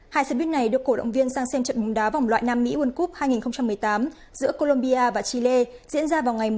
hai xe buýt này được cổ động viên sang xem trận bóng đá vòng loại nam mỹ world cup hai nghìn một mươi tám giữa colombia và chile diễn ra vào ngày một mươi hai tháng một mươi một